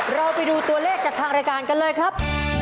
เราไปดูตัวเลขจากทางรายการกันเลยครับ